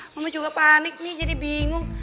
kamu juga panik nih jadi bingung